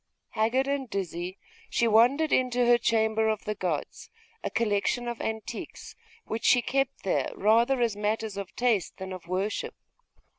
Haggard and dizzy, she wandered into her 'chamber of the gods'; a collection of antiquities, which she kept there rather as matters of taste than of worship.